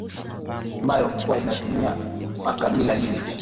mbayo huwa inatumia makabila ili